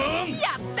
やった！